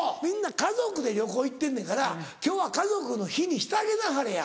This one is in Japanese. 家族で旅行行ってんねんから今日は家族の日にしてあげなはれや。